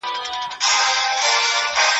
اوسمهال نړۍ له نویو سیاسي ننګونو سره مخامخ ده.